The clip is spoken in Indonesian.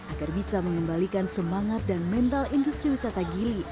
agar bisa mengembalikan semangat dan mental industri wisata gili